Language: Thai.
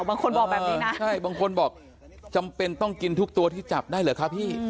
บางคนบอกแบบนี้นะใช่บางคนบอกจำเป็นต้องกินทุกตัวที่จับได้เหรอคะพี่